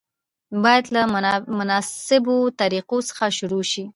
باید له مناسبو طریقو څخه شروع شي.